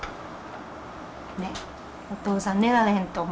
お父さん寝られへんと思うわきっと。